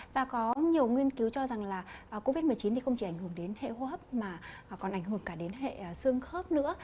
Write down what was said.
và có nhiều nghiên cứu cho rằng là covid một mươi chín thì không chỉ ảnh hưởng đến hệ hô hấp mà còn ảnh hưởng cả đến hệ xương khớp nữa